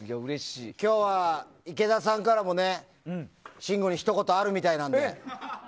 今日は池田さんからも信五に、ひと言あるみたいなんで。